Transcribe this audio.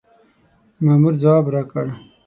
مامور ځواب راکړ.